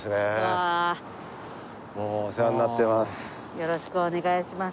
よろしくお願いします。